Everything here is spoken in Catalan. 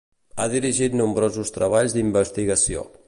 Ha dirigit nombrosos treballs d'investigació.